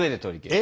え！